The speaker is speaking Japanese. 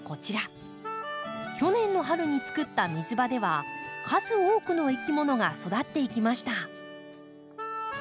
去年の春につくった水場では数多くのいきものが育っていきました。